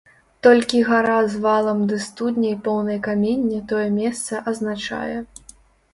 Толькі гара з валам ды студняй, поўнай камення, тое месца азначае.